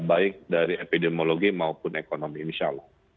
baik dari epidemiologi maupun ekonomi insya allah